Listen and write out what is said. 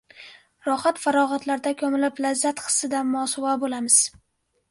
Rohat-farog‘atlarga ko‘milib, lazzat hissidan mosuvo bo‘lamiz.